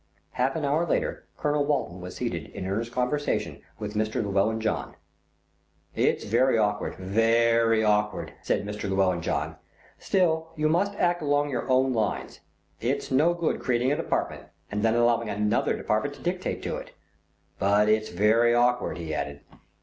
Half an hour later Colonel Walton was seated in earnest conversation with Mr. Llewellyn John. "It's very awkward, very awkward," said Mr. Llewellyn John; "still, you must act along your own lines. It's no good creating a department and then allowing another department to dictate to it; but it's very awkward," he added.